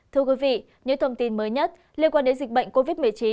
thưa quý vị những thông tin mới nhất liên quan đến dịch bệnh covid một mươi chín